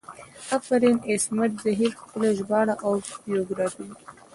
افرین عصمت زهیر ښکلي ژباړه او بیوګرافي